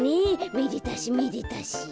めでたしめでたし。